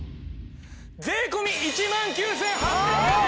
税込１万９８００円！